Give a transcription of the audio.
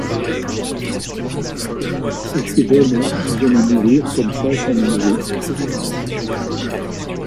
Est-ce que vraiment nous allons mourir comme ça sans manger?